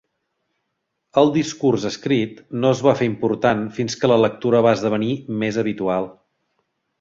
El discurs escrit no es va fer important fins que la lectura va esdevenir més habitual.